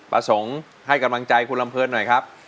ประสงค์ให้กำลังใจคุณลำเพลินหน่อยครับ